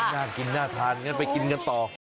น่ากินน่าทานงั้นไปกินกันต่อ